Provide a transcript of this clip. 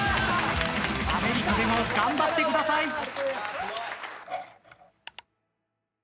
アメリカでも頑張ってください。